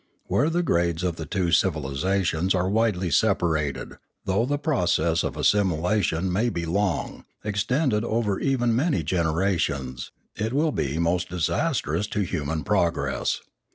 Where the grades of the two civilisations are widely separated, though the process of assimilation may be long, ex tended over even many generations, it will be most dis astrous to human progress.